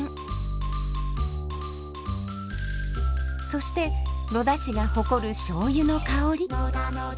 そして野田市が誇るしょうゆの香り。